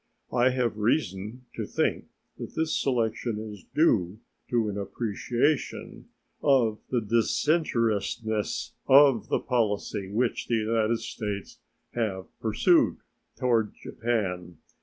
I have reason to think that this selection is due to an appreciation of the disinterestedness of the policy which the United States have pursued toward Japan.